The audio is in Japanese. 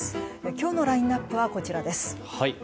今日のラインアップはこちらです。